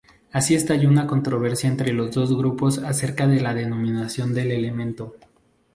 Así estalló una controversia entre los dos grupos acerca de la denominación del elemento.